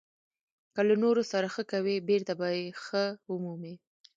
• که له نورو سره ښه کوې، بېرته به یې ښه ومومې.